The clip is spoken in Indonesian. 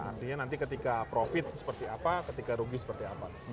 artinya nanti ketika profit seperti apa ketika rugi seperti apa